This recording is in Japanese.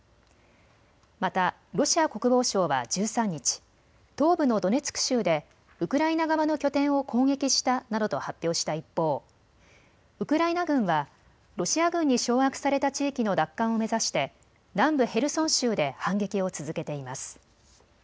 またロシア国防省は１３日、東部のドネツク州でウクライナ側の拠点を攻撃したなどと発表した一方、ウクライナ軍はロシア軍に掌握された地域の奪還を目指して南部ヘルソン州で反撃を続けています。